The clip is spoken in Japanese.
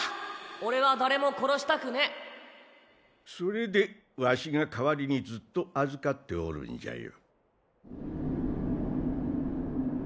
俺は誰も殺したくねぇそれでわしが代わりにずっと預かっておるんじゃよ。